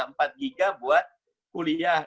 empat giga buat kuliah